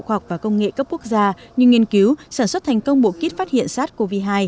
khoa học và công nghệ cấp quốc gia như nghiên cứu sản xuất thành công bộ kit phát hiện sars cov hai